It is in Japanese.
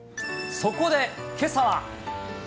そこで、けさは。